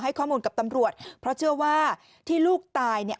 ข้อมูลกับตำรวจเพราะเชื่อว่าที่ลูกตายเนี่ย